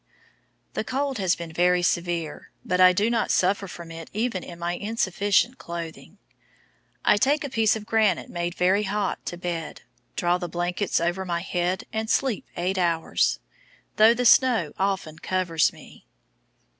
The cold has been very severe, but I do not suffer from it even in my insufficient clothing. I take a piece of granite made very hot to bed, draw the blankets over my head and sleep eight hours, though the snow often covers me.